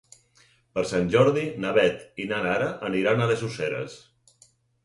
Per Sant Jordi na Beth i na Nara aniran a les Useres.